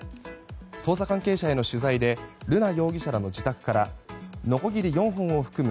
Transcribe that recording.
捜査関係者への取材で瑠奈容疑者らの自宅からのこぎり４本を含む